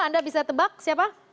anda bisa tebak siapa